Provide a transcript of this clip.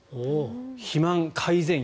肥満改善薬。